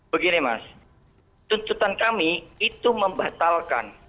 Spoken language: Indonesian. begini mas tuntutan kami itu membatalkan